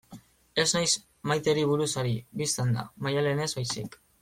Ez naiz Maiteri buruz ari, bistan da, Maialenez baizik.